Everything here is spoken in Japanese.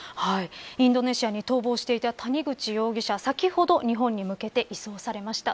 インドネシアに逃亡していた谷口容疑者先ほど日本に向けて移送されました。